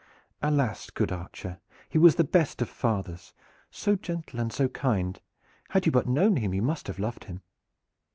"Alas! good archer, he was the best of fathers, so gentle and so kind! Had you but known him, you must have loved him."